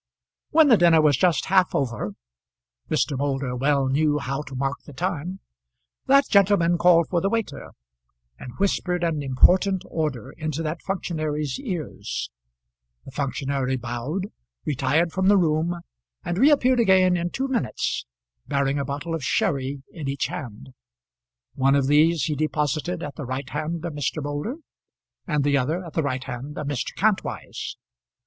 When the dinner was just half over, Mr. Moulder well knew how to mark the time, that gentleman called for the waiter, and whispered an important order into that functionary's ears. The functionary bowed, retired from the room, and reappeared again in two minutes, bearing a bottle of sherry in each hand; one of these he deposited at the right hand of Mr. Moulder; and the other at the right hand of Mr. Kantwise.